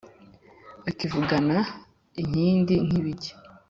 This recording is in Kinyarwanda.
akivugana inkindi nkibiki,